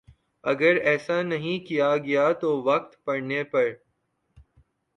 اگر ایسا نہیں کیا گیا تو وقت پڑنے پر